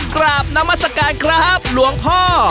กราบนามสการครับหลวงพ่อ